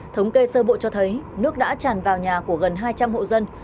thống kê sơ bộ cho thấy nước đã tràn vào nhà của gần hai trăm linh hộ dân